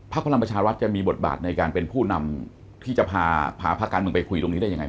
พระพลังประชาวัธจะมีบทบาทในเป็นผู้นำที่จะผ่าพระการมึงไปคุยดูได้ยังไง